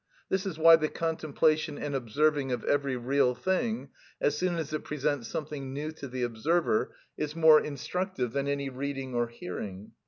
This is why the contemplation and observing of every real thing, as soon as it presents something new to the observer, is more instructive than any reading or hearing.